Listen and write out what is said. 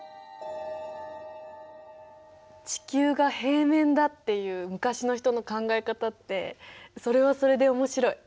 地球が平面だっていう昔の人の考え方ってそれはそれで面白い。